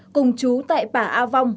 cùng chú tại pả a vong